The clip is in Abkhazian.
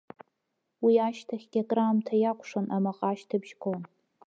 Уи ашьҭахьгьы акраамҭа иакәшон, амаҟа ашьҭыбжь гон.